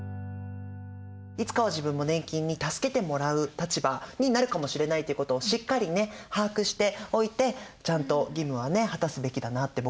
いつかは自分も年金に助けてもらう立場になるかもしれないっていうことをしっかりね把握しておいてちゃんと義務はね果たすべきだなって